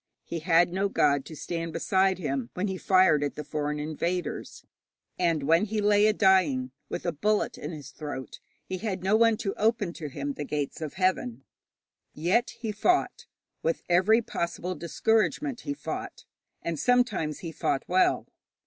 He had no god to stand beside him when he fired at the foreign invaders; and when he lay a dying, with a bullet in his throat, he had no one to open to him the gates of heaven. Yet he fought with every possible discouragement he fought, and sometimes he fought well.